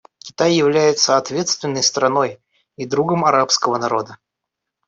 Китай является ответственной страной и другом арабского народа.